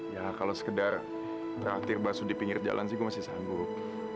ya kalau sekedar praktir bakso di pinggir jalan sih gue masih sanggup